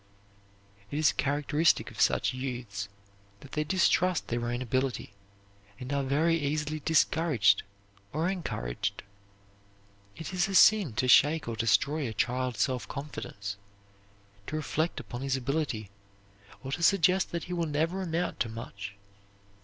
It is characteristic of such youths that they distrust their own ability and are very easily discouraged or encouraged. It is a sin to shake or destroy a child's self confidence, to reflect upon his ability or to suggest that he will never amount to much.